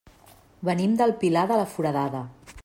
Venim del Pilar de la Foradada.